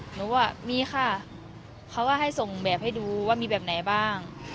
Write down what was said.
หนูว่ามีค่ะเขาก็ให้ส่งแบบให้ดูว่ามีแบบไหนบ้าง